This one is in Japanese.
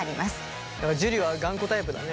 だから樹は頑固タイプだね。